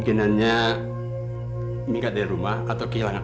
bisa tidak kita keluar dari kamar